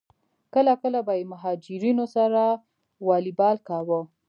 کله کله به یې مهاجرینو سره والیبال کاوه.